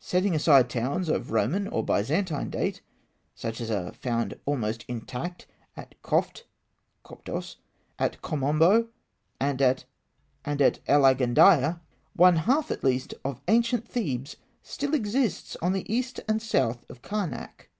Setting aside towns of Roman or Byzantine date, such as are found almost intact at Koft (Coptos), at Kom Ombo, and at El Agandiyeh, one half at least of ancient Thebes still exists on the east and south of Karnak.